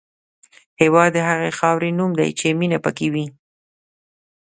هېواد د هغې خاورې نوم دی چې مینه پکې وي.